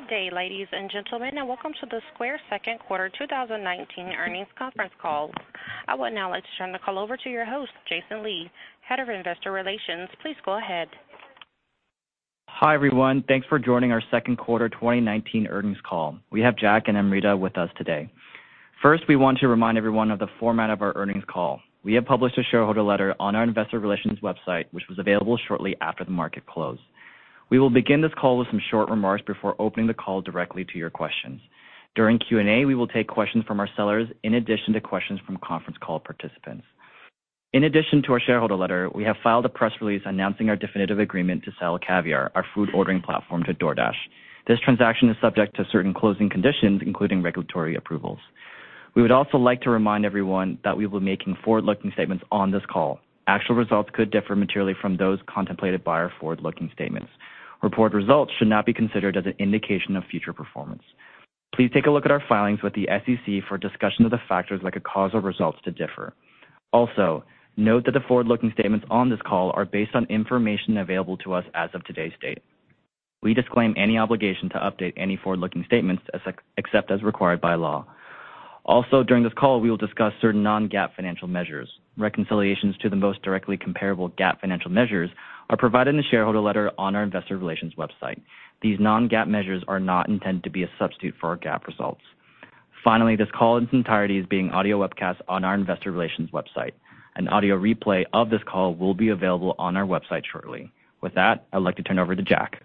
Good day, ladies and gentlemen, and welcome to the Square second quarter 2019 earnings conference call. I would now like to turn the call over to your host, Jason Lee, Head of Investor Relations. Please go ahead. Hi, everyone. Thanks for joining our second quarter 2019 earnings call. We have Jack and Amrita with us today. First, we want to remind everyone of the format of our earnings call. We have published a shareholder letter on our investor relations website, which was available shortly after the market close. We will begin this call with some short remarks before opening the call directly to your questions. During Q&A, we will take questions from our sellers in addition to questions from conference call participants. In addition to our shareholder letter, we have filed a press release announcing our definitive agreement to sell Caviar, our food ordering platform, to DoorDash. This transaction is subject to certain closing conditions, including regulatory approvals. We would also like to remind everyone that we will be making forward-looking statements on this call. Actual results could differ materially from those contemplated by our forward-looking statements. Reported results should not be considered as an indication of future performance. Please take a look at our filings with the SEC for a discussion of the factors that could cause our results to differ. Note that the forward-looking statements on this call are based on information available to us as of today's date. We disclaim any obligation to update any forward-looking statements, except as required by law. During this call, we will discuss certain non-GAAP financial measures. Reconciliations to the most directly comparable GAAP financial measures are provided in the shareholder letter on our investor relations website. These non-GAAP measures are not intended to be a substitute for our GAAP results. This call in its entirety is being audio webcast on our investor relations website. An audio replay of this call will be available on our website shortly. With that, I'd like to turn it over to Jack.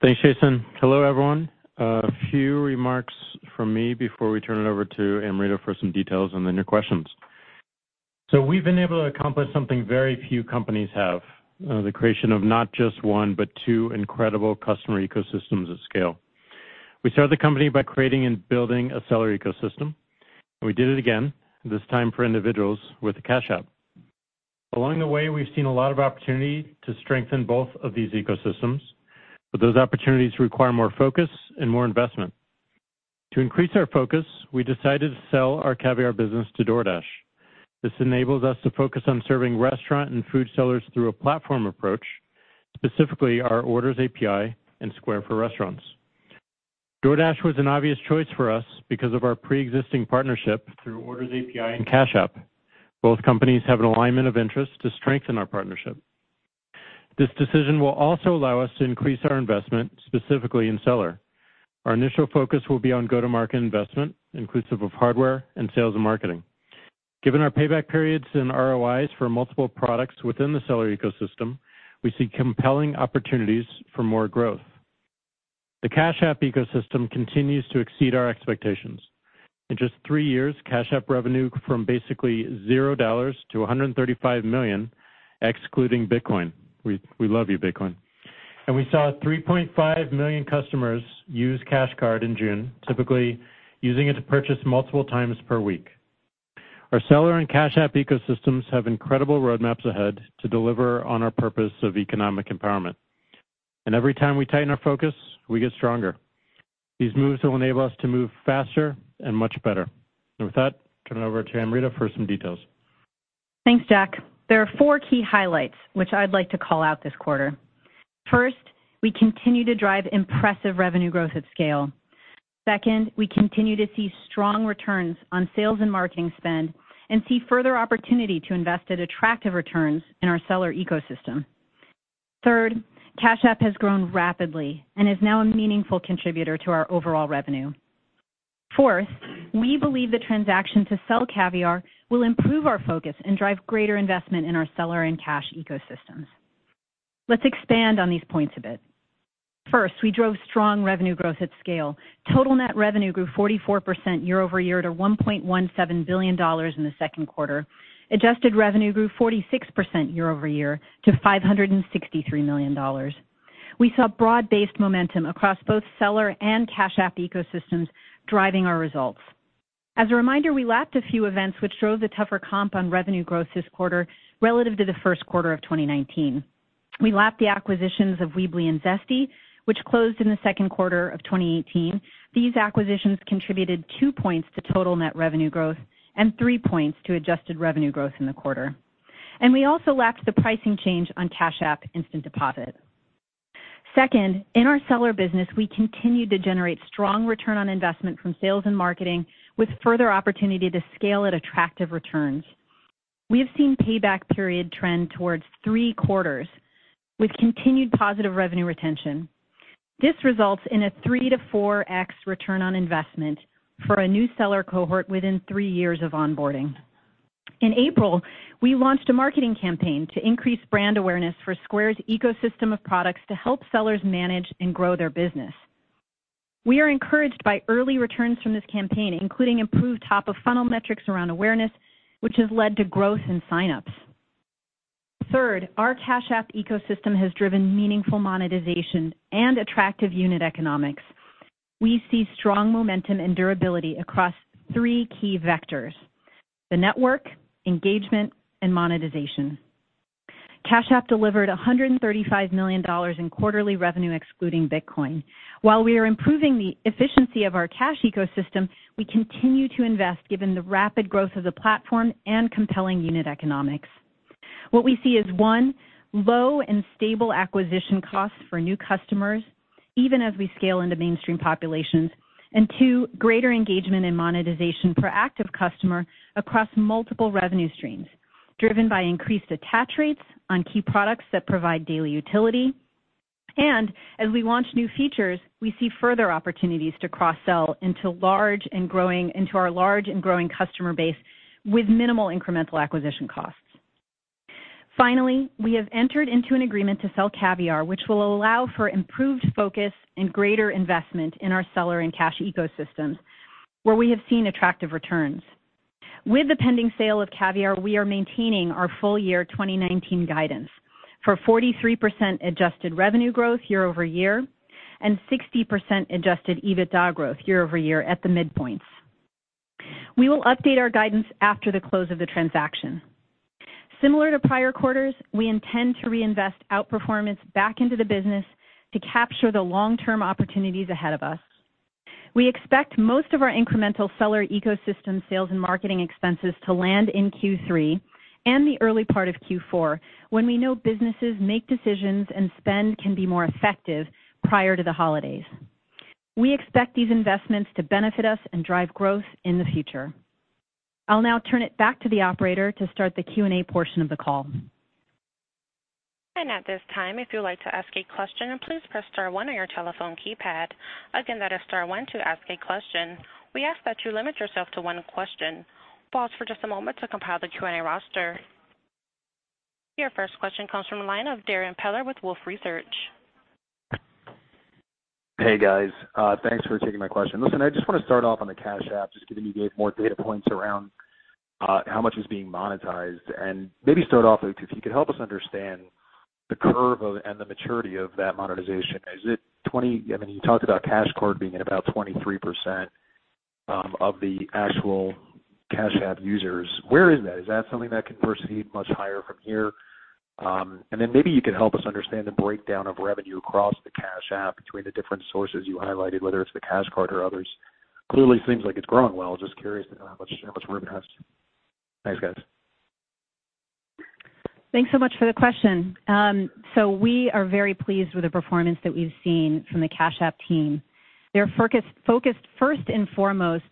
Thanks, Jason. Hello, everyone. A few remarks from me before we turn it over to Amrita for some details and then your questions. We've been able to accomplish something very few companies have, the creation of not just one, but two incredible customer ecosystems at scale. We started the company by creating and building a seller ecosystem, and we did it again, this time for individuals with the Cash App. Along the way, we've seen a lot of opportunity to strengthen both of these ecosystems, but those opportunities require more focus and more investment. To increase our focus, we decided to sell our Caviar business to DoorDash. This enables us to focus on serving restaurant and food sellers through a platform approach, specifically our Orders API and Square for Restaurants. DoorDash was an obvious choice for us because of our preexisting partnership through Orders API and Cash App. Both companies have an alignment of interest to strengthen our partnership. This decision will also allow us to increase our investment, specifically in Seller. Our initial focus will be on go-to-market investment, inclusive of hardware and sales and marketing. Given our payback periods and ROIs for multiple products within the Seller ecosystem, we see compelling opportunities for more growth. The Cash App ecosystem continues to exceed our expectations. In just three years, Cash App revenue grew from basically $0 to $135 million, excluding Bitcoin. We love you, Bitcoin. We saw 3.5 million customers use Cash Card in June, typically using it to purchase multiple times per week. Our Seller and Cash App ecosystems have incredible roadmaps ahead to deliver on our purpose of economic empowerment. Every time we tighten our focus, we get stronger. These moves will enable us to move faster and much better. With that, turn it over to Amrita for some details. Thanks, Jack. There are four key highlights which I'd like to call out this quarter. First, we continue to drive impressive revenue growth at scale. Second, we continue to see strong returns on sales and marketing spend and see further opportunity to invest at attractive returns in our seller ecosystem. Third, Cash App has grown rapidly and is now a meaningful contributor to our overall revenue. Fourth, we believe the transaction to sell Caviar will improve our focus and drive greater investment in our seller and Cash ecosystems. Let's expand on these points a bit. First, we drove strong revenue growth at scale. Total net revenue grew 44% year-over-year to $1.17 billion in the second quarter. Adjusted revenue grew 46% year-over-year to $563 million. We saw broad-based momentum across both seller and Cash App ecosystems driving our results. As a reminder, we lapped a few events which drove the tougher comp on revenue growth this quarter relative to the first quarter of 2019. We lapped the acquisitions of Weebly and Zesty, which closed in the second quarter of 2018. These acquisitions contributed 2 points to total net revenue growth and 3 points to adjusted revenue growth in the quarter. We also lapped the pricing change on Cash App Instant Deposit. Second, in our seller business, we continued to generate strong return on investment from sales and marketing, with further opportunity to scale at attractive returns. We have seen payback period trend towards 3 quarters with continued positive revenue retention. This results in a 3X to 4X return on investment for a new seller cohort within 3 years of onboarding. In April, we launched a marketing campaign to increase brand awareness for Square's ecosystem of products to help sellers manage and grow their business. We are encouraged by early returns from this campaign, including improved top-of-funnel metrics around awareness, which has led to growth in sign-ups. Third, our Cash App ecosystem has driven meaningful monetization and attractive unit economics. We see strong momentum and durability across three key vectors: the network, engagement, and monetization. Cash App delivered $135 million in quarterly revenue excluding Bitcoin. While we are improving the efficiency of our Cash ecosystem, we continue to invest given the rapid growth of the platform and compelling unit economics. What we see is, one, low and stable acquisition costs for new customers, even as we scale into mainstream populations. Two, greater engagement and monetization per active customer across multiple revenue streams, driven by increased attach rates on key products that provide daily utility. As we launch new features, we see further opportunities to cross-sell into our large and growing customer base with minimal incremental acquisition costs. Finally, we have entered into an agreement to sell Caviar, which will allow for improved focus and greater investment in our seller and Cash ecosystems, where we have seen attractive returns. With the pending sale of Caviar, we are maintaining our full-year 2019 guidance for 43% adjusted revenue growth year-over-year and 60% adjusted EBITDA growth year-over-year at the midpoints. We will update our guidance after the close of the transaction. Similar to prior quarters, we intend to reinvest outperformance back into the business to capture the long-term opportunities ahead of us. We expect most of our incremental seller ecosystem sales and marketing expenses to land in Q3 and the early part of Q4, when we know businesses make decisions and spend can be more effective prior to the holidays. We expect these investments to benefit us and drive growth in the future. I'll now turn it back to the operator to start the Q&A portion of the call. At this time, if you'd like to ask a question, please press star one on your telephone keypad. Again, that is star one to ask a question. We ask that you limit yourself to one question. Pause for just a moment to compile the Q&A roster. Your first question comes from the line of Darrin Peller with Wolfe Research. Hey, guys. Thanks for taking my question. Listen, I just want to start off on the Cash App, just given you gave more data points around how much is being monetized, and maybe start off with if you could help us understand the curve of and the maturity of that monetization. You talked about Cash Card being at about 23% of the actual Cash App users. Where is that? Is that something that can proceed much higher from here? Maybe you could help us understand the breakdown of revenue across the Cash App between the different sources you highlighted, whether it's the Cash Card or others. Clearly seems like it's growing well. I was just curious to know how much room it has. Thanks, guys. Thanks so much for the question. We are very pleased with the performance that we've seen from the Cash App team. They're focused first and foremost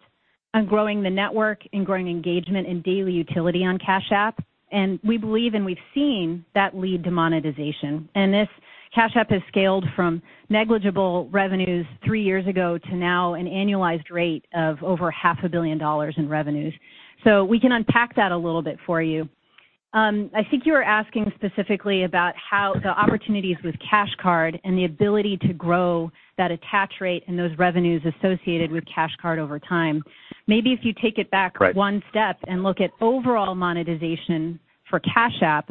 on growing the network and growing engagement and daily utility on Cash App, and we believe, and we've seen, that lead to monetization. Cash App has scaled from negligible revenues three years ago to now an annualized rate of over half a billion dollars in revenues. We can unpack that a little bit for you. I think you were asking specifically about how the opportunities with Cash Card and the ability to grow that attach rate and those revenues associated with Cash Card over time. Maybe if you take it back- Right one step and look at overall monetization for Cash App.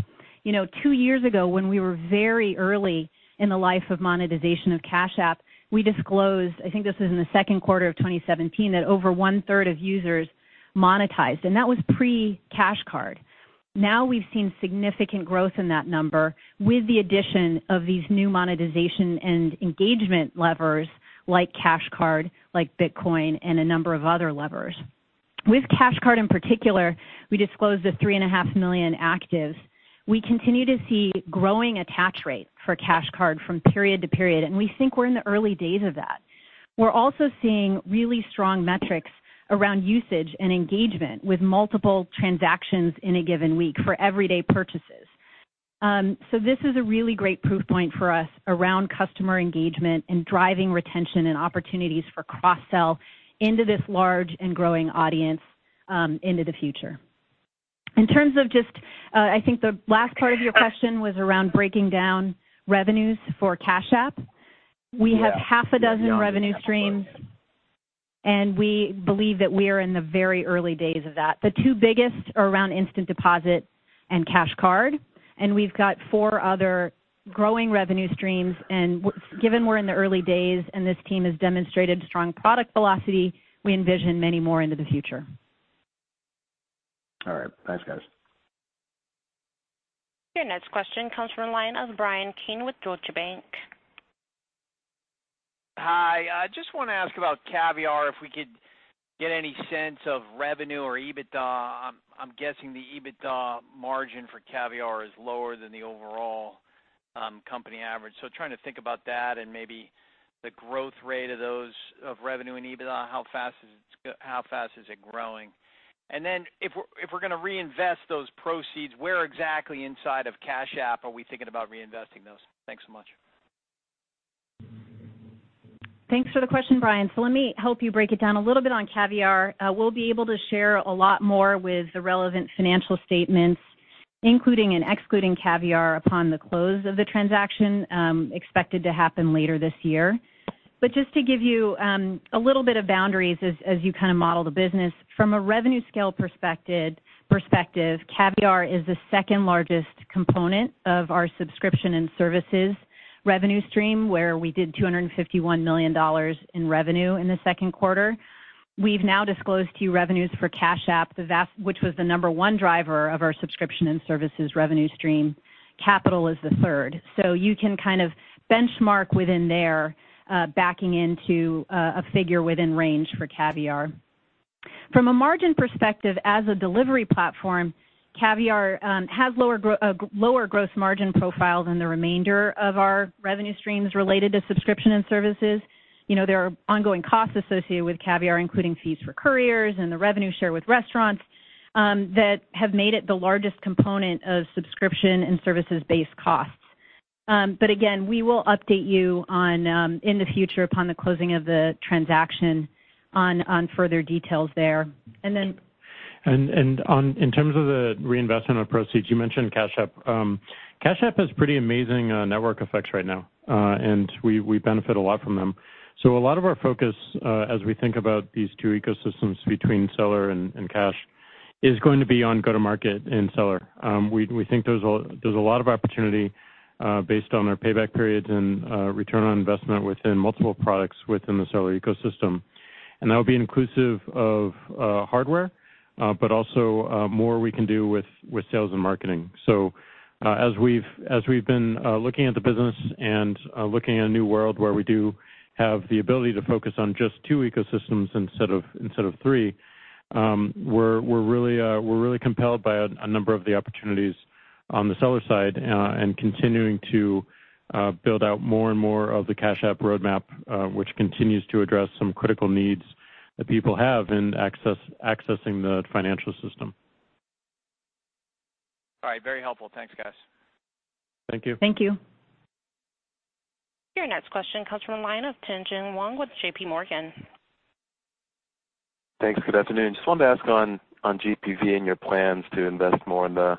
Two years ago, when we were very early in the life of monetization of Cash App, we disclosed, I think this was in the second quarter of 2017, that over one-third of users monetized. That was pre-Cash Card. We've seen significant growth in that number with the addition of these new monetization and engagement levers like Cash Card, like Bitcoin, and a number of other levers. With Cash Card in particular, we disclosed the three and a half million actives. We continue to see growing attach rate for Cash Card from period to period, and we think we're in the early days of that. We're also seeing really strong metrics around usage and engagement with multiple transactions in a given week for everyday purchases. This is a really great proof point for us around customer engagement and driving retention and opportunities for cross-sell into this large and growing audience into the future. In terms of just, I think the last part of your question was around breaking down revenues for Cash App. Yeah. We have half a dozen revenue streams, and we believe that we are in the very early days of that. The two biggest are around Instant Deposit and Cash Card, and we've got four other growing revenue streams. Given we're in the early days and this team has demonstrated strong product velocity, we envision many more into the future. All right. Thanks, guys. Your next question comes from the line of Bryan Keane with Deutsche Bank. Hi. I just want to ask about Caviar, if we could get any sense of revenue or EBITDA. I'm guessing the EBITDA margin for Caviar is lower than the overall company average. Trying to think about that and maybe the growth rate of revenue and EBITDA, how fast is it growing? If we're going to reinvest those proceeds, where exactly inside of Cash App are we thinking about reinvesting those? Thanks so much. Thanks for the question, Bryan. Let me help you break it down a little bit on Caviar. We'll be able to share a lot more with the relevant financial statements, including and excluding Caviar upon the close of the transaction expected to happen later this year. Just to give you a little bit of boundaries as you kind of model the business. From a revenue scale perspective, Caviar is the second-largest component of our subscription and services revenue stream, where we did $251 million in revenue in the second quarter. We've now disclosed to you revenues for Cash App, which was the number-one driver of our subscription and services revenue stream. Square Capital is the third. You can kind of benchmark within there, backing into a figure within range for Caviar. From a margin perspective, as a delivery platform, Caviar has lower gross margin profile than the remainder of our revenue streams related to subscription and services. There are ongoing costs associated with Caviar, including fees for couriers and the revenue share with restaurants, that have made it the largest component of subscription and services-based costs. Again, we will update you in the future upon the closing of the transaction on further details there. In terms of the reinvestment of proceeds, you mentioned Cash App. Cash App has pretty amazing network effects right now, and we benefit a lot from them. A lot of our focus, as we think about these two ecosystems between Seller and Cash, is going to be on go-to-market and Seller. We think there's a lot of opportunity based on our payback periods and return on investment within multiple products within the Seller ecosystem. That'll be inclusive of hardware, but also more we can do with sales and marketing. As we've been looking at the business and looking at a new world where we do have the ability to focus on just two ecosystems instead of three, we're really compelled by a number of the opportunities on the Seller side and continuing to build out more and more of the Cash App roadmap, which continues to address some critical needs that people have in accessing the financial system. All right. Very helpful. Thanks, guys. Thank you. Thank you. Your next question comes from the line of Tien-Tsin Huang with J.P. Morgan. Thanks. Good afternoon. Just wanted to ask on GPV and your plans to invest more in the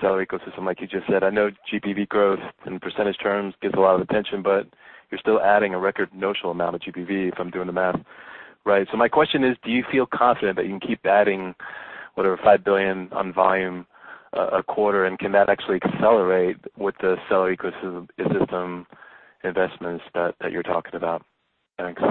Seller ecosystem, like you just said. I know GPV growth in percentage terms gets a lot of attention, but you're still adding a record notional amount of GPV, if I'm doing the math right. My question is, do you feel confident that you can keep adding, whatever, $5 billion on volume a quarter, and can that actually accelerate with the Seller ecosystem investments that you're talking about? Thanks.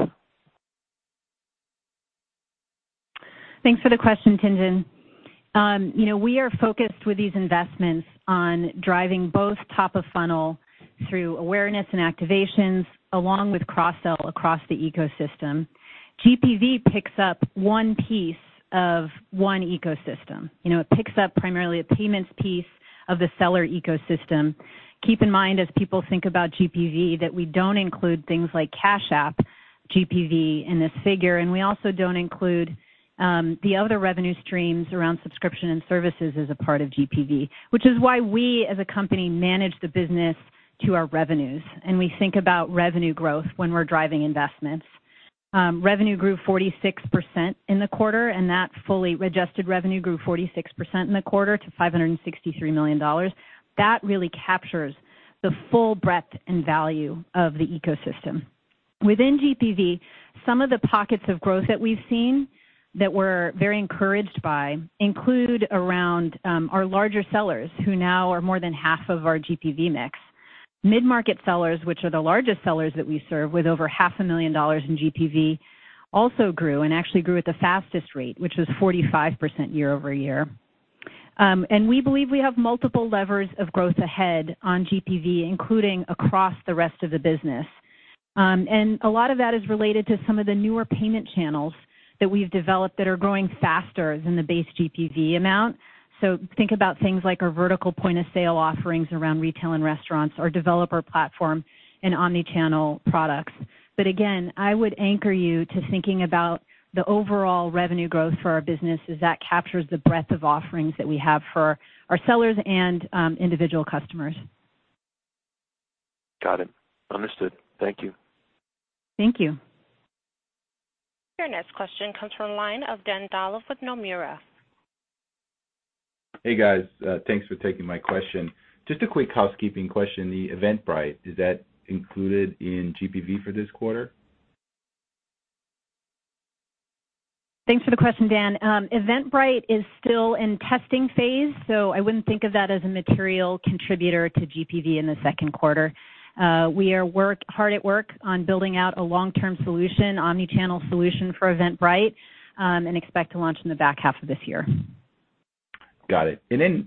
Thanks for the question, Tien-Tsin. We are focused with these investments on driving both top of funnel through awareness and activations, along with cross-sell across the ecosystem. GPV picks up one piece of one ecosystem. It picks up primarily a payments piece of the Seller ecosystem. Keep in mind, as people think about GPV, that we don't include things like Cash App GPV in this figure, and we also don't include the other revenue streams around subscription and services as a part of GPV, which is why we, as a company, manage the business to our revenues, and we think about revenue growth when we're driving investments. Revenue grew 46% in the quarter, that fully adjusted revenue grew 46% in the quarter to $563 million. That really captures the full breadth and value of the ecosystem. Within GPV, some of the pockets of growth that we've seen, that we're very encouraged by, include around our larger sellers, who now are more than half of our GPV mix. Mid-market sellers, which are the largest sellers that we serve, with over $0.5 million in GPV, also grew, and actually grew at the fastest rate, which was 45% year-over-year. We believe we have multiple levers of growth ahead on GPV, including across the rest of the business. Think about things like our vertical point-of-sale offerings around retail and restaurants, our developer platform, and omni-channel products. Again, I would anchor you to thinking about the overall revenue growth for our business, as that captures the breadth of offerings that we have for our sellers and individual customers. Got it. Understood. Thank you. Thank you. Your next question comes from the line of Dan Dolev with Nomura. Hey, guys. Thanks for taking my question. Just a quick housekeeping question. The Eventbrite, is that included in GPV for this quarter? Thanks for the question, Dan. I wouldn't think of that as a material contributor to GPV in the second quarter. We are hard at work on building out a long-term solution, omni-channel solution for Eventbrite, and expect to launch in the back half of this year. Got it.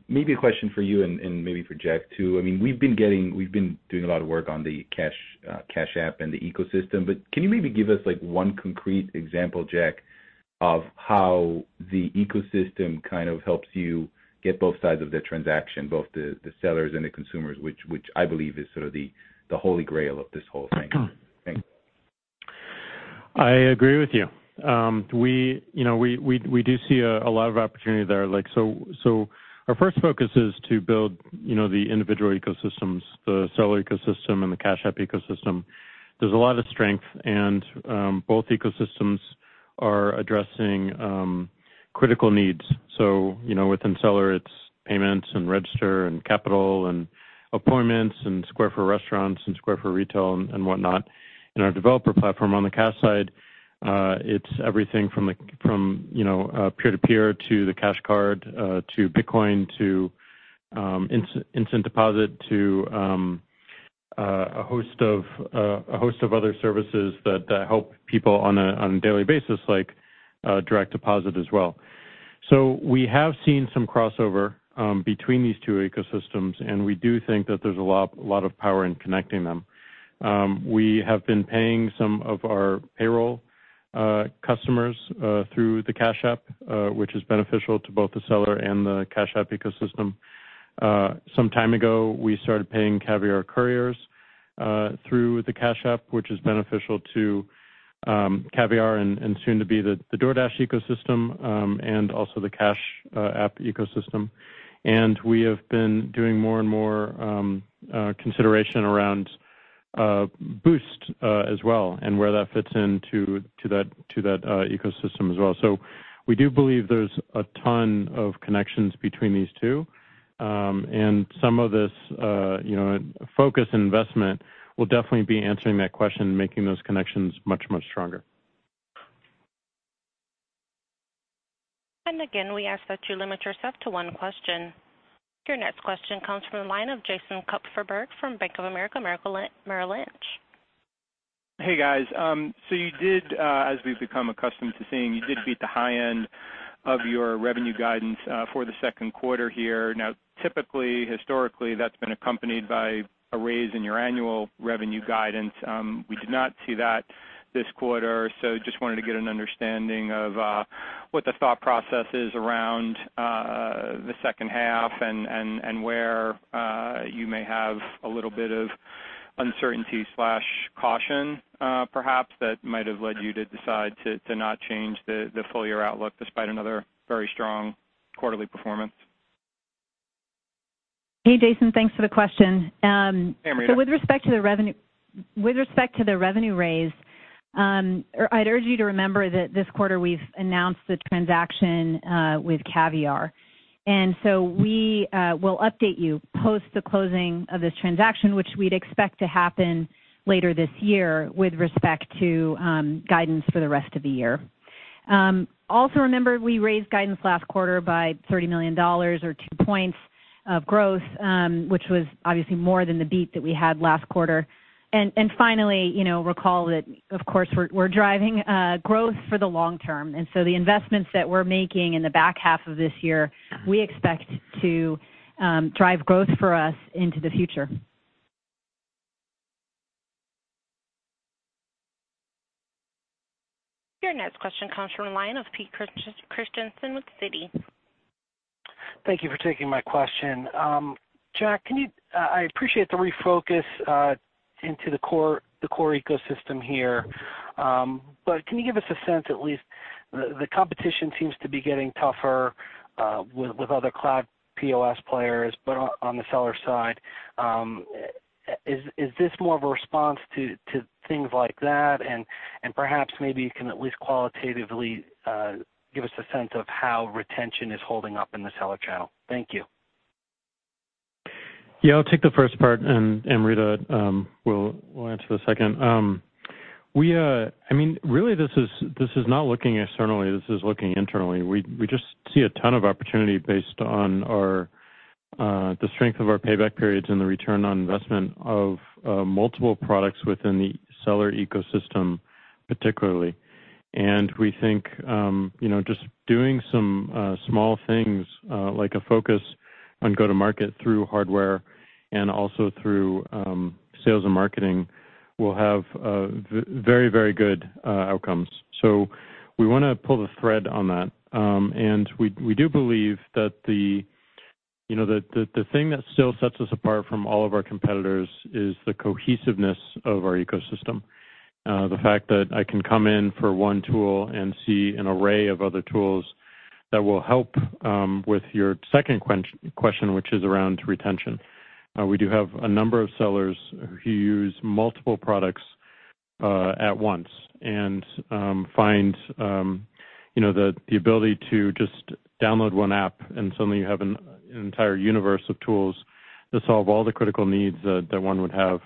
Maybe a question for you and maybe for Jack too. We've been doing a lot of work on the Cash App and the ecosystem, can you maybe give us one concrete example, Jack, of how the ecosystem kind of helps you get both sides of the transaction, both the sellers and the consumers, which I believe is sort of the holy grail of this whole thing? Thanks. I agree with you. We do see a lot of opportunity there. Our first focus is to build the individual ecosystems, the Seller ecosystem and the Cash App ecosystem. There's a lot of strength, and both ecosystems are addressing critical needs. Within Seller, it's payments and Register and Capital and Appointments and Square for Restaurants and Square for Retail and whatnot. In our developer platform on the Cash side, it's everything from peer-to-peer to the Cash Card to Bitcoin to Instant Deposit to a host of other services that help people on a daily basis, like direct deposit as well. We have seen some crossover between these two ecosystems, and we do think that there's a lot of power in connecting them. We have been paying some of our payroll customers through the Cash App, which is beneficial to both the Seller and the Cash App ecosystem. Some time ago, we started paying Caviar couriers through the Cash App, which is beneficial to Caviar and soon to be the DoorDash ecosystem, and also the Cash App ecosystem. We have been doing more and more consideration around Boost as well, and where that fits into that ecosystem as well. We do believe there's a ton of connections between these two, and some of this focus and investment will definitely be answering that question and making those connections much, much stronger. Again, we ask that you limit yourself to one question. Your next question comes from the line of Jason Kupferberg from Bank of America Merrill Lynch. Hey, guys. You did, as we've become accustomed to seeing, you did beat the high end of your revenue guidance for the second quarter here. Typically, historically, that's been accompanied by a raise in your annual revenue guidance. We did not see that this quarter. Just wanted to get an understanding of what the thought process is around the second half and where you may have a little bit of uncertainty/caution, perhaps, that might have led you to decide to not change the full year outlook despite another very strong quarterly performance. Hey, Jason, thanks for the question. Hey, Amrita. With respect to the revenue raise, I'd urge you to remember that this quarter we've announced the transaction with Caviar. We will update you post the closing of this transaction, which we'd expect to happen later this year with respect to guidance for the rest of the year. Also remember, we raised guidance last quarter by $30 million or 2 points of growth, which was obviously more than the beat that we had last quarter. Finally, recall that, of course, we're driving growth for the long term, the investments that we're making in the back half of this year, we expect to drive growth for us into the future. Your next question comes from the line of Peter Christiansen with Citi. Thank you for taking my question. Jack, I appreciate the refocus into the core ecosystem here, but can you give us a sense at least, the competition seems to be getting tougher with other cloud POS players, but on the seller side, is this more of a response to things like that? Perhaps maybe you can at least qualitatively give us a sense of how retention is holding up in the seller channel. Thank you. Yeah, I'll take the first part, and Amrita will answer the second. Really this is not looking externally, this is looking internally. We just see a ton of opportunity based on the strength of our payback periods and the return on investment of multiple products within the seller ecosystem, particularly. We think, just doing some small things, like a focus on go-to-market through hardware and also through sales and marketing will have very good outcomes. We want to pull the thread on that. We do believe that the thing that still sets us apart from all of our competitors is the cohesiveness of our ecosystem. The fact that I can come in for one tool and see an array of other tools that will help with your second question, which is around retention. We do have a number of sellers who use multiple products at once and find the ability to just download one app, and suddenly you have an entire universe of tools to solve all the critical needs that one would have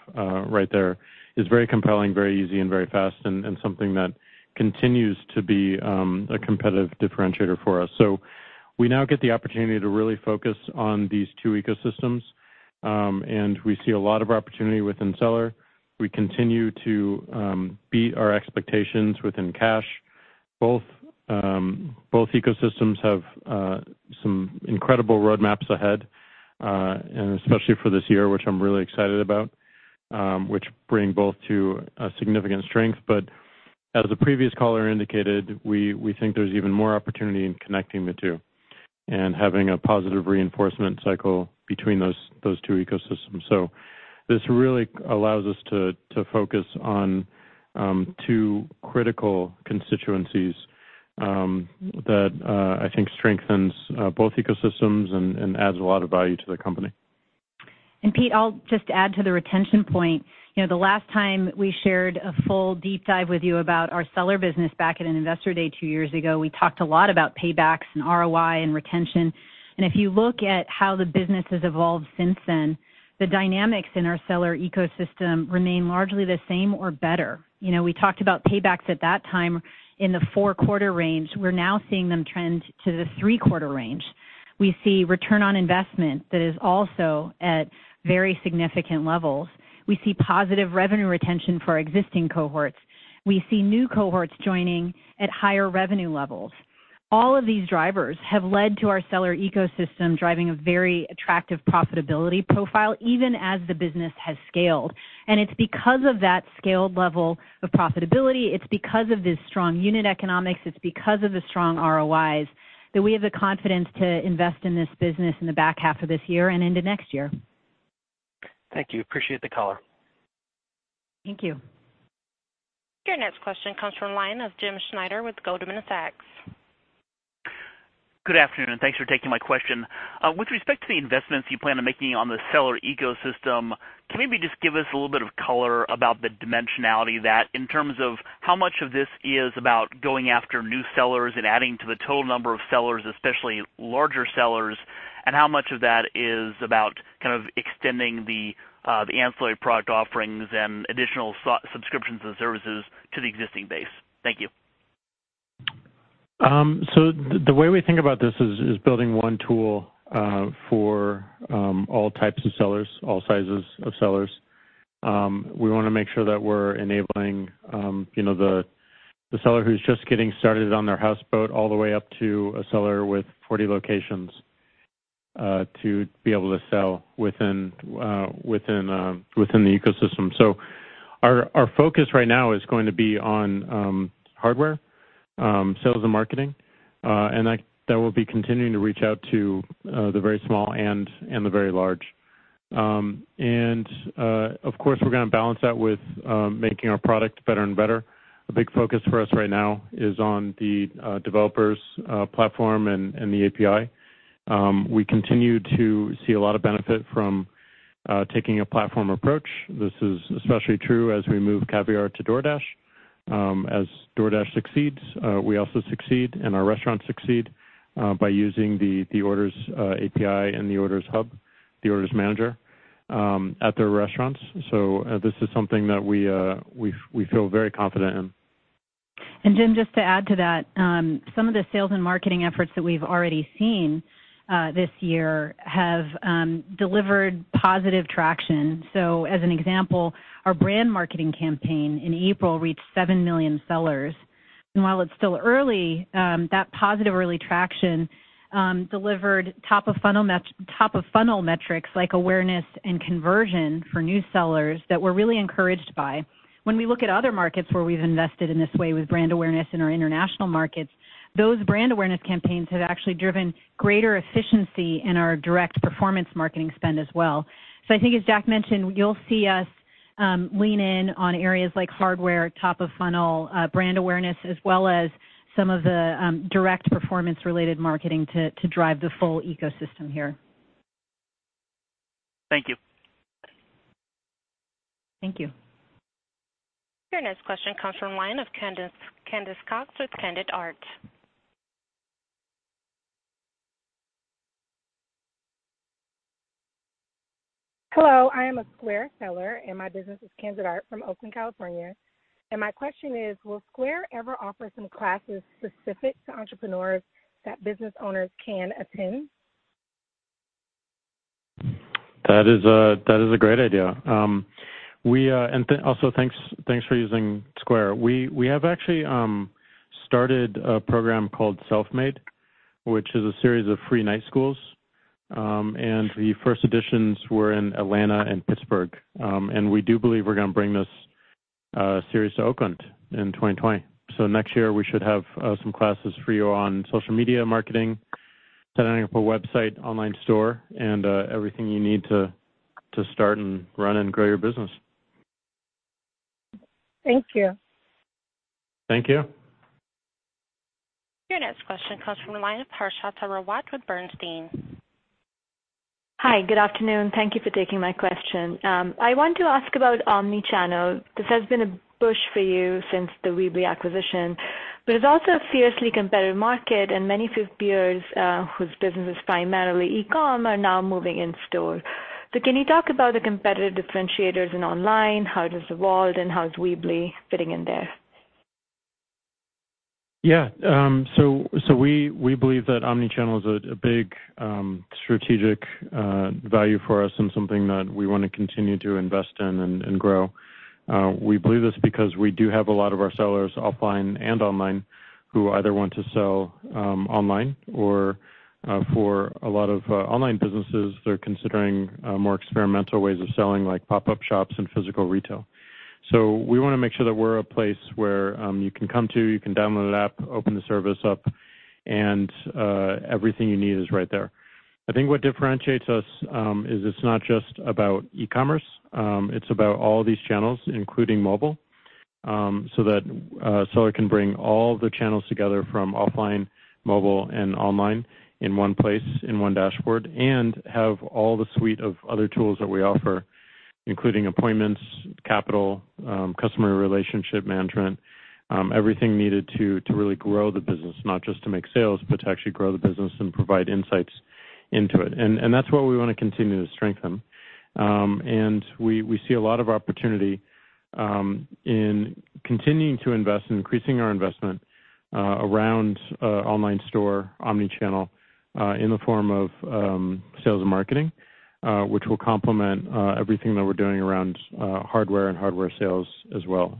right there is very compelling, very easy, and very fast and something that continues to be a competitive differentiator for us. We now get the opportunity to really focus on these two ecosystems. We see a lot of opportunity within seller. We continue to beat our expectations within Cash. Both ecosystems have some incredible roadmaps ahead. Especially for this year, which I'm really excited about, which bring both to a significant strength. As the previous caller indicated, we think there's even more opportunity in connecting the two and having a positive reinforcement cycle between those two ecosystems. This really allows us to focus on two critical constituencies that I think strengthens both ecosystems and adds a lot of value to the company. Pete, I'll just add to the retention point. The last time we shared a full deep dive with you about our seller business back at an investor day 2 years ago, we talked a lot about paybacks and ROI and retention. If you look at how the business has evolved since then, the dynamics in our seller ecosystem remain largely the same or better. We talked about paybacks at that time in the 4-quarter range. We're now seeing them trend to the 3-quarter range. We see return on investment that is also at very significant levels. We see positive revenue retention for our existing cohorts. We see new cohorts joining at higher revenue levels. All of these drivers have led to our seller ecosystem driving a very attractive profitability profile, even as the business has scaled. It's because of that scaled level of profitability, it's because of the strong unit economics, it's because of the strong ROIs, that we have the confidence to invest in this business in the back half of this year and into next year. Thank you. Appreciate the call. Thank you. Your next question comes from line of James Schneider with Goldman Sachs. Good afternoon, and thanks for taking my question. With respect to the investments you plan on making on the seller ecosystem, can you maybe just give us a little bit of color about the dimensionality that, in terms of how much of this is about going after new sellers and adding to the total number of sellers, especially larger sellers, and how much of that is about extending the ancillary product offerings and additional subscriptions and services to the existing base? Thank you. The way we think about this is building one tool for all types of sellers, all sizes of sellers. We want to make sure that we're enabling the seller who's just getting started on their houseboat, all the way up to a seller with 40 locations, to be able to sell within the ecosystem. Our focus right now is going to be on hardware, sales and marketing, and that will be continuing to reach out to the very small and the very large. Of course, we're going to balance that with making our product better and better. A big focus for us right now is on the developers platform and the API. We continue to see a lot of benefit from taking a platform approach. This is especially true as we move Caviar to DoorDash. As DoorDash succeeds, we also succeed, and our restaurants succeed by using the Orders API and the Orders hub, the Orders Manager at their restaurants. This is something that we feel very confident in. Jim, just to add to that, some of the sales and marketing efforts that we've already seen this year have delivered positive traction. As an example, our brand marketing campaign in April reached seven million sellers. While it's still early, that positive early traction delivered top of funnel metrics like awareness and conversion for new sellers that we're really encouraged by. When we look at other markets where we've invested in this way with brand awareness in our international markets, those brand awareness campaigns have actually driven greater efficiency in our direct performance marketing spend as well. I think as Jack mentioned, you'll see us lean in on areas like hardware, top of funnel, brand awareness, as well as some of the direct performance related marketing to drive the full ecosystem here. Thank you. Thank you. Your next question comes from line of Candice Cox with Candid Art. Hello, I am a Square seller, and my business is Candid Art from Oakland, California. My question is, will Square ever offer some classes specific to entrepreneurs that business owners can attend? That is a great idea. Also, thanks for using Square. We have actually started a program called Self Made, which is a series of free night schools. The first editions were in Atlanta and Pittsburgh. We do believe we're going to bring this series to Oakland in 2020. Next year, we should have some classes for you on social media marketing, setting up a website, Square Online, and everything you need to start and run and grow your business. Thank you. Thank you. Your next question comes from the line of Harshita Rawat with Bernstein. Hi. Good afternoon. Thank you for taking my question. I want to ask about omni-channel. This has been a push for you since the Weebly acquisition, but it's also a fiercely competitive market, and many peers whose business is primarily e-com are now moving in store. Can you talk about the competitive differentiators in online, how it has evolved, and how is Weebly fitting in there? Yeah. We believe that omni-channel is a big strategic value for us and something that we want to continue to invest in and grow. We believe this because we do have a lot of our sellers offline and online who either want to sell online, or for a lot of online businesses, they're considering more experimental ways of selling, like pop-up shops and physical retail. We want to make sure that we're a place where you can come to, you can download an app, open the service up, and everything you need is right there. I think what differentiates us, is it's not just about e-commerce. It's about all these channels, including mobile, so that a seller can bring all the channels together from offline, mobile, and online in one place, in one dashboard, and have all the suite of other tools that we offer, including Square Appointments, Square Capital, customer relationship management, everything needed to really grow the business, not just to make sales, but to actually grow the business and provide insights into it. That's what we want to continue to strengthen. We see a lot of opportunity in continuing to invest, increasing our investment around Square Online omni-channel in the form of sales and marketing which will complement everything that we're doing around hardware and hardware sales as well.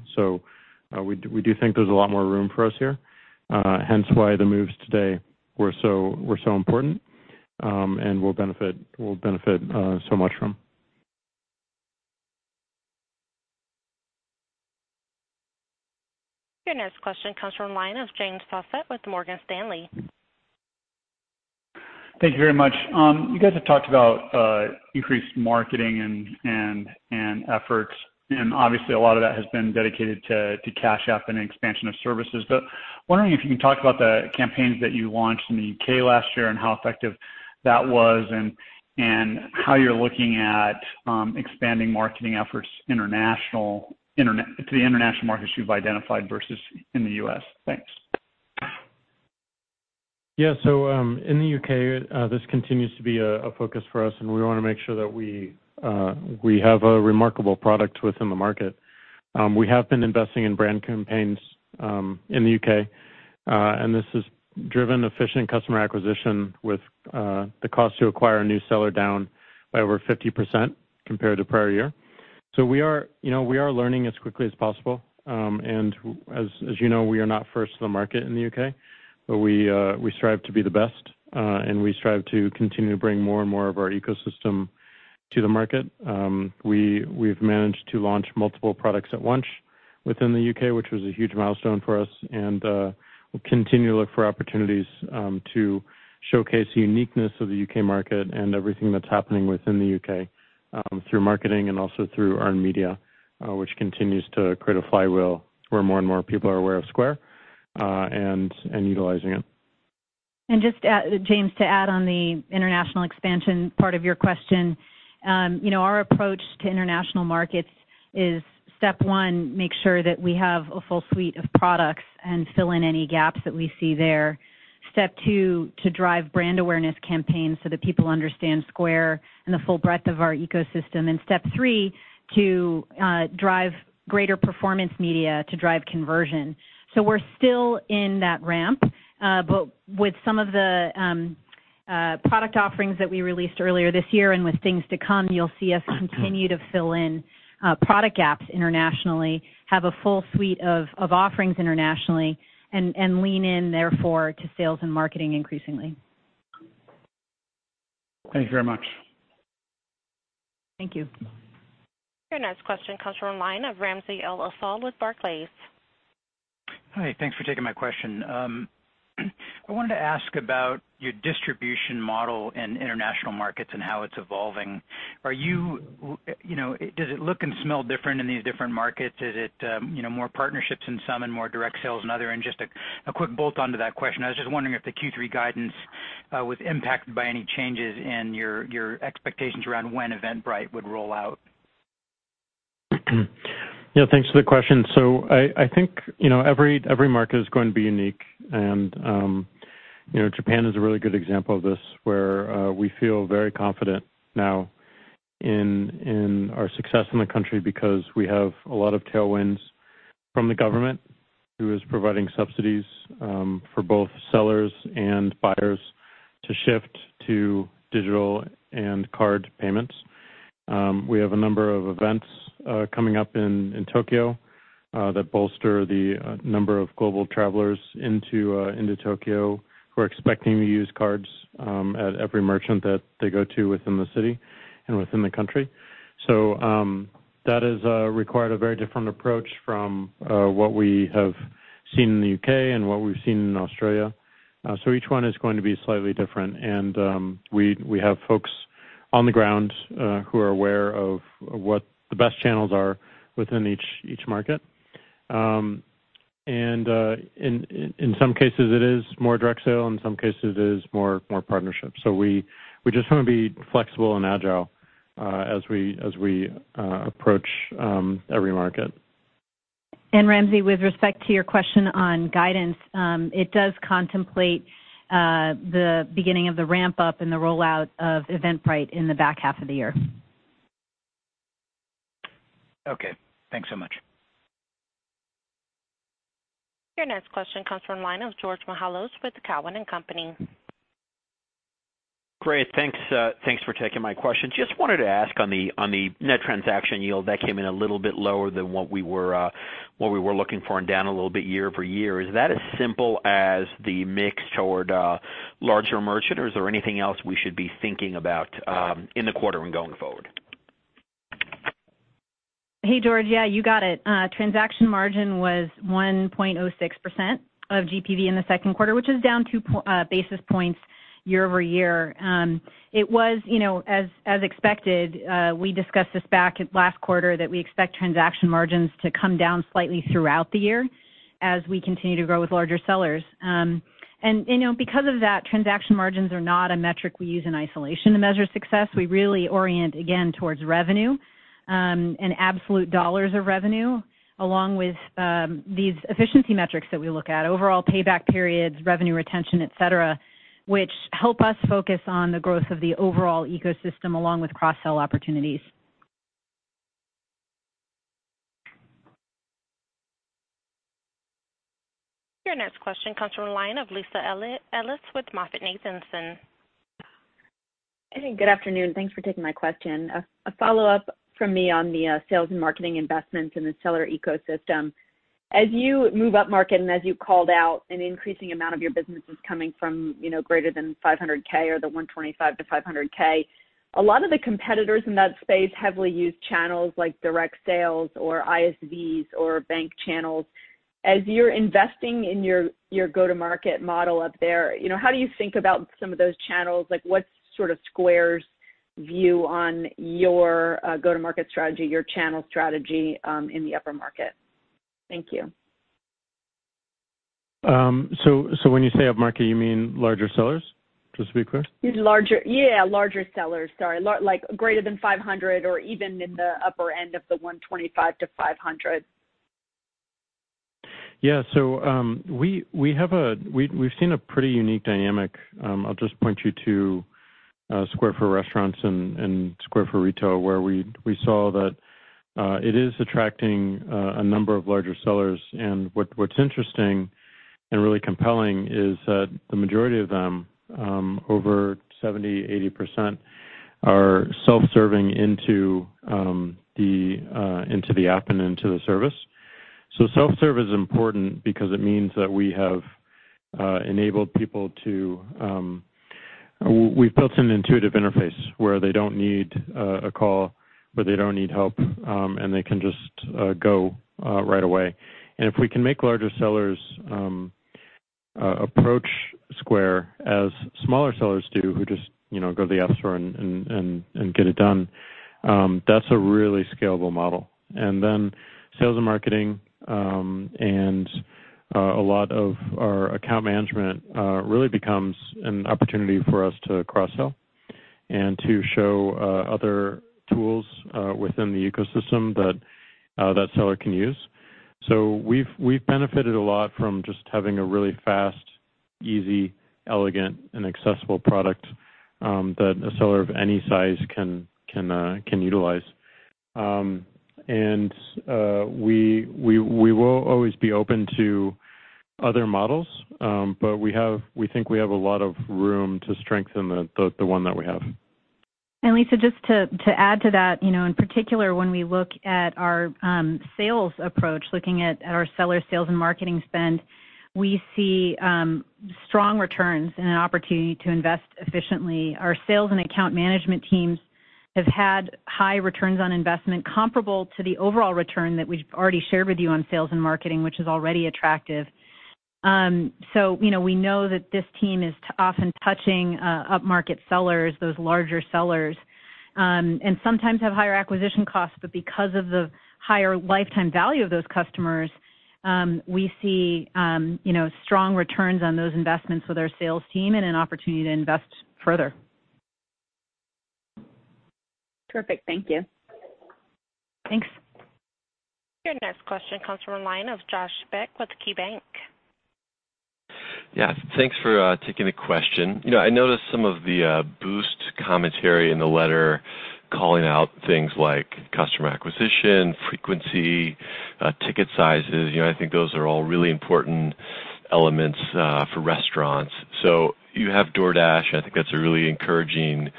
We do think there's a lot more room for us here, hence why the moves today were so important and we'll benefit so much from. Your next question comes from the line of James Faucette with Morgan Stanley. Thank you very much. You guys have talked about increased marketing and efforts, and obviously a lot of that has been dedicated to Cash App and expansion of services, but wondering if you can talk about the campaigns that you launched in the U.K. last year and how effective that was and how you're looking at expanding marketing efforts to the international markets you've identified versus in the U.S. Thanks. In the U.K., this continues to be a focus for us, and we want to make sure that we have a remarkable product within the market. We have been investing in brand campaigns in the U.K., and this has driven efficient customer acquisition with the cost to acquire a new seller down by over 50% compared to prior year. We are learning as quickly as possible. As you know, we are not first to the market in the U.K., but we strive to be the best, and we strive to continue to bring more and more of our ecosystem to the market. We've managed to launch multiple products at once within the U.K., which was a huge milestone for us, and we'll continue to look for opportunities to showcase the uniqueness of the U.K. market and everything that's happening within the U.K. through marketing and also through earned media which continues to create a flywheel where more and more people are aware of Square and utilizing it. Just, James, to add on the international expansion part of your question. Our approach to international markets is step one, make sure that we have a full suite of products and fill in any gaps that we see there. Step two, to drive brand awareness campaigns so that people understand Square and the full breadth of our ecosystem. Step three, to drive greater performance media to drive conversion. We're still in that ramp. With some of the product offerings that we released earlier this year and with things to come, you'll see us continue to fill in product gaps internationally, have a full suite of offerings internationally and lean in therefore to sales and marketing increasingly. Thank you very much. Thank you. Your next question comes from line of Ramsey El-Assal with Barclays. Hi, thanks for taking my question. I wanted to ask about your distribution model in international markets and how it's evolving. Does it look and smell different in these different markets? Is it more partnerships in some and more direct sales in other? Just a quick bolt onto that question, I was just wondering if the Q3 guidance was impacted by any changes in your expectations around when Eventbrite would roll out. Yeah, thanks for the question. I think every market is going to be unique and Japan is a really good example of this where we feel very confident now in our success in the country because we have a lot of tailwinds from the government who is providing subsidies for both sellers and buyers to shift to digital and card payments. We have a number of events coming up in Tokyo that bolster the number of global travelers into Tokyo who are expecting to use cards at every merchant that they go to within the city and within the country. That has required a very different approach from what we have seen in the U.K. and what we've seen in Australia. Each one is going to be slightly different and we have folks on the ground who are aware of what the best channels are within each market. In some cases it is more direct sale, in some cases it is more partnerships. We just want to be flexible and agile as we approach every market. Ramsey, with respect to your question on guidance, it does contemplate the beginning of the ramp-up and the rollout of Eventbrite in the back half of the year. Okay, thanks so much. Your next question comes from line of George Mihalos with Cowen and Company. Great, thanks for taking my question. Just wanted to ask on the net transaction yield that came in a little bit lower than what we were looking for and down a little bit year-over-year. Is that as simple as the mix toward larger merchant or is there anything else we should be thinking about in the quarter and going forward? Hey, George. Yeah, you got it. Transaction margin was 1.06% of GPV in the second quarter, which is down two basis points year-over-year. It was as expected. We discussed this back last quarter that we expect transaction margins to come down slightly throughout the year as we continue to grow with larger sellers. Because of that, transaction margins are not a metric we use in isolation to measure success. We really orient again towards revenue, and absolute dollars of revenue along with these efficiency metrics that we look at, overall payback periods, revenue retention, et cetera, which help us focus on the growth of the overall ecosystem along with cross-sell opportunities. This question comes from the line of Lisa Ellis with MoffettNathanson. Hey, good afternoon. Thanks for taking my question. A follow-up from me on the sales and marketing investments in the seller ecosystem. As you move upmarket and as you called out, an increasing amount of your business is coming from greater than 500K or the 125K-500K. A lot of the competitors in that space heavily use channels like direct sales or ISVs or bank channels. As you're investing in your go-to-market model up there, how do you think about some of those channels? What's Square's view on your go-to-market strategy, your channel strategy, in the upper market? Thank you. When you say upmarket, you mean larger sellers? Just to be clear. Yeah, larger sellers. Sorry. Greater than 500 or even in the upper end of the 125 to 500. Yeah. We've seen a pretty unique dynamic. I'll just point you to Square for Restaurants and Square for Retail, where we saw that it is attracting a number of larger sellers. What's interesting and really compelling is that the majority of them, over 70%, 80%, are self-serving into the app and into the service. Self-serve is important because it means that we have enabled people. We've built an intuitive interface where they don't need a call, where they don't need help, and they can just go right away. If we can make larger sellers approach Square as smaller sellers do, who just go to the App Store and get it done, that's a really scalable model. Sales and marketing, and a lot of our account management, really becomes an opportunity for us to cross-sell and to show other tools within the ecosystem that seller can use. We've benefited a lot from just having a really fast, easy, elegant, and accessible product that a seller of any size can utilize. We will always be open to other models, but we think we have a lot of room to strengthen the one that we have. Lisa, just to add to that, in particular, when we look at our sales approach, looking at our seller sales and marketing spend, we see strong returns and an opportunity to invest efficiently. Our sales and account management teams have had high ROI comparable to the overall return that we've already shared with you on sales and marketing, which is already attractive. We know that this team is often touching upmarket sellers, those larger sellers, and sometimes have higher acquisition costs, but because of the higher lifetime value of those customers, we see strong returns on those investments with our sales team and an opportunity to invest further. Perfect. Thank you. Thanks. Your next question comes from the line of Josh Beck with KeyBanc. Yeah. Thanks for taking the question. I noticed some of the Boost commentary in the letter calling out things like customer acquisition, frequency, ticket sizes. I think those are all really important elements for restaurants. You have DoorDash, and I think that's a really encouraging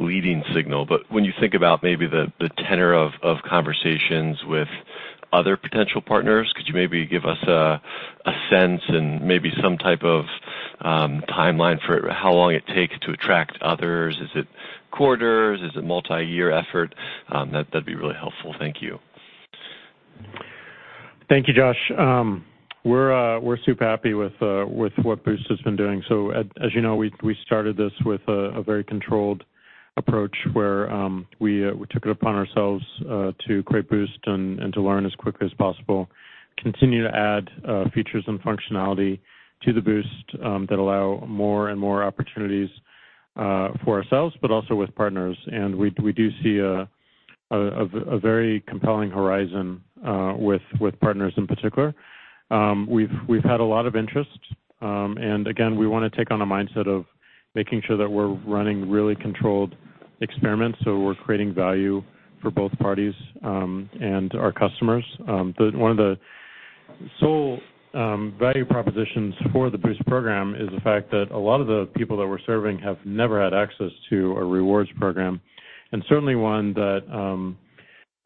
leading signal. When you think about maybe the tenor of conversations with other potential partners, could you maybe give us a sense and maybe some type of timeline for how long it takes to attract others? Is it quarters? Is it multi-year effort? That'd be really helpful. Thank you. Thank you, Josh. We're super happy with what Boost has been doing. As you know, we started this with a very controlled approach where we took it upon ourselves to create Boost and to learn as quickly as possible, continue to add features and functionality to the Boost that allow more and more opportunities for ourselves, but also with partners. We do see a very compelling horizon with partners in particular. We've had a lot of interest. Again, we want to take on a mindset of making sure that we're running really controlled experiments, so we're creating value for both parties and our customers. One of the sole value propositions for the Boost program is the fact that a lot of the people that we're serving have never had access to a rewards program, and certainly one that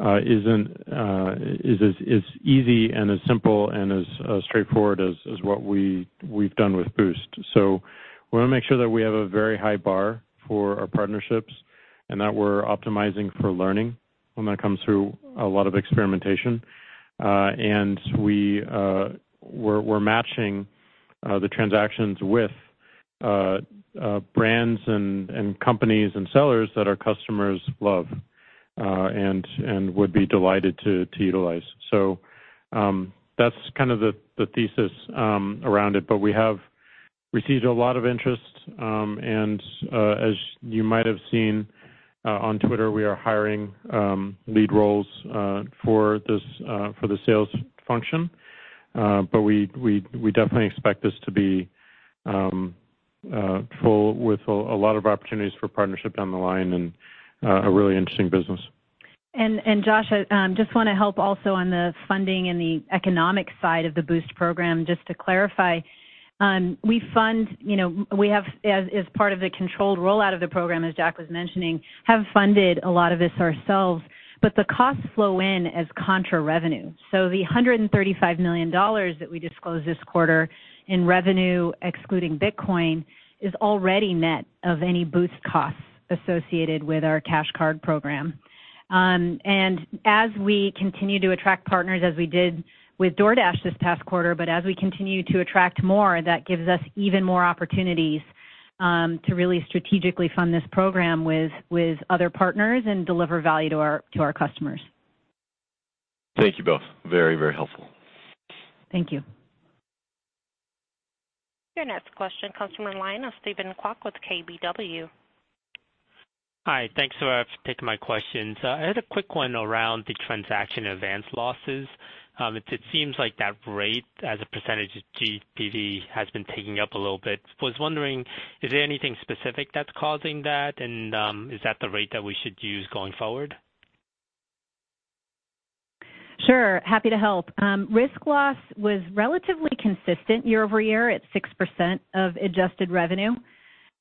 is as easy and as simple and as straightforward as what we've done with Boost. We want to make sure that we have a very high bar for our partnerships and that we're optimizing for learning when that comes through a lot of experimentation. We're matching the transactions with brands and companies and sellers that our customers love and would be delighted to utilize. That's kind of the thesis around it, but we have received a lot of interest, and as you might have seen on Twitter, we are hiring lead roles for the sales function. We definitely expect this to be full with a lot of opportunities for partnership down the line and a really interesting business. Josh, I just want to help also on the funding and the economic side of the Boost program, just to clarify. We, as part of the controlled rollout of the program, as Jack was mentioning, have funded a lot of this ourselves, but the costs flow in as contra-revenue. The $135 million that we disclosed this quarter in revenue, excluding Bitcoin, is already net of any Boost costs associated with our Cash Card program. As we continue to attract partners, as we did with DoorDash this past quarter, but as we continue to attract more, that gives us even more opportunities to really strategically fund this program with other partners and deliver value to our customers. Thank you both. Very helpful. Thank you. Your next question comes from the line of Steven Kwok with KBW. Hi. Thanks for taking my questions. I had a quick one around the transaction advance losses. It seems like that rate as a percentage of GPV has been ticking up a little bit. Was wondering, is there anything specific that's causing that, and is that the rate that we should use going forward? Sure. Happy to help. Risk loss was relatively consistent year-over-year at 6% of adjusted revenue.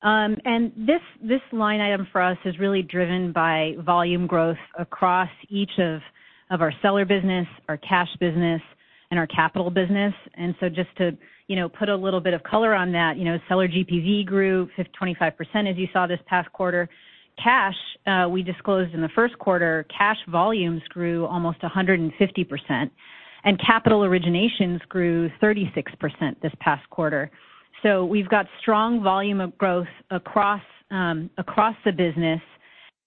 This line item for us is really driven by volume growth across each of our Square Seller business, our Cash App business, and our Square Capital business. Just to put a little bit of color on that, Square Seller GPV grew 25%, as you saw this past quarter. Cash App, we disclosed in the first quarter, Cash App volumes grew almost 150%, and capital originations grew 36% this past quarter. We've got strong volume of growth across the business,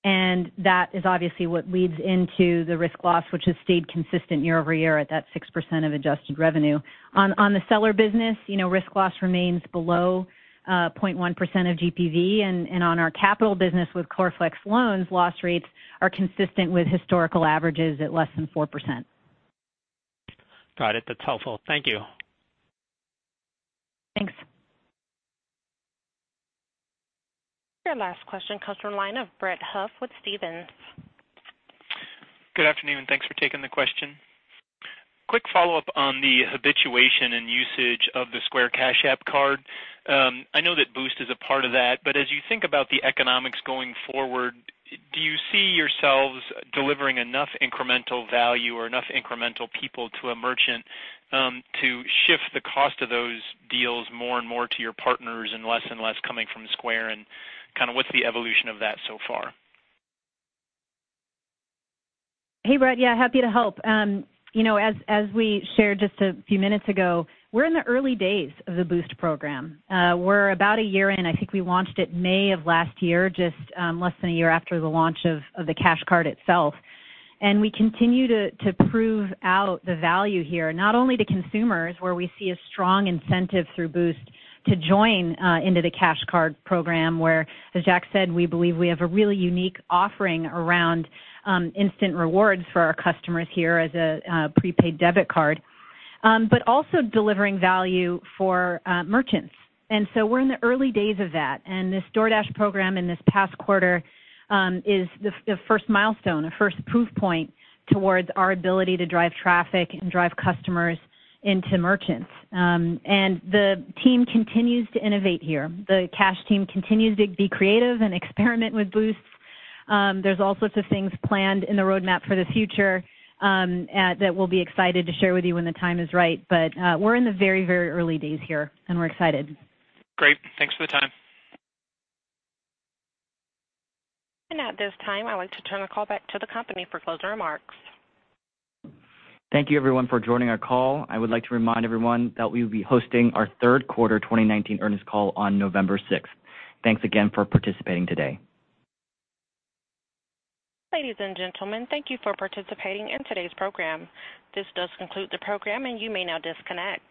and that is obviously what leads into the risk loss, which has stayed consistent year-over-year at that 6% of adjusted revenue. On the Square Seller business, risk loss remains below 0.1% of GPV, and on our Square Capital business with Flex Loans, loss rates are consistent with historical averages at less than 4%. Got it. That's helpful. Thank you. Thanks. Your last question comes from the line of Brett Huff with Stephens. Good afternoon. Thanks for taking the question. Quick follow-up on the habituation and usage of the Square Cash App Card. I know that Boost is a part of that, but as you think about the economics going forward, do you see yourselves delivering enough incremental value or enough incremental people to a merchant to shift the cost of those deals more and more to your partners and less and less coming from Square, and what's the evolution of that so far? Hey, Brett. Yeah, happy to help. As we shared just a few minutes ago, we're in the early days of the Boost program. We're about a year in. I think we launched it May of last year, just less than a year after the launch of the Cash Card itself. We continue to prove out the value here, not only to consumers, where we see a strong incentive through Boost to join into the Cash Card program where, as Jack said, we believe we have a really unique offering around instant rewards for our customers here as a prepaid debit card. Also delivering value for merchants. We're in the early days of that, and this DoorDash program in this past quarter is the first milestone, a first proof point towards our ability to drive traffic and drive customers into merchants. The team continues to innovate here. The Cash team continues to be creative and experiment with Boost. There's all sorts of things planned in the roadmap for the future that we'll be excited to share with you when the time is right. We're in the very early days here, and we're excited. Great. Thanks for the time. At this time, I would like to turn the call back to the company for closing remarks. Thank you everyone for joining our call. I would like to remind everyone that we will be hosting our third quarter 2019 earnings call on November 6th. Thanks again for participating today. Ladies and gentlemen, thank you for participating in today's program. This does conclude the program, and you may now disconnect.